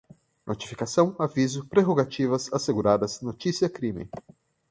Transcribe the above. notificação, aviso, prerrogativas, asseguradas, notícia-crime